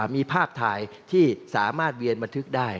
มีภาพถ่ายที่สามารถเวียนบันทึกได้